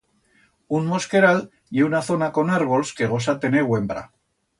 Un mosqueral ye una zona con arbols que gosa tener uembra.